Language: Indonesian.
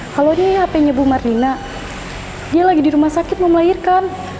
halo ini hapenya bu mardina dia lagi di rumah sakit mau melahirkan